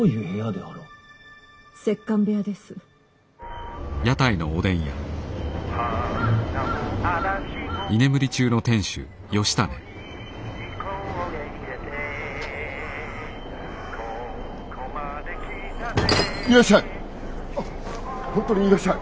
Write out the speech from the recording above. あっ本当にいらっしゃい。